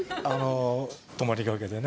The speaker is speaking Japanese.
泊まりがけでね。